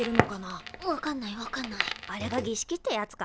あれがぎしきってやつか？